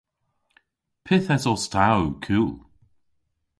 Pyth esos ta ow kul?